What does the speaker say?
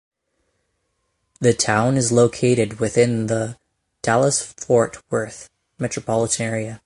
The town is located within the Dallas-Fort Worth metropolitan area.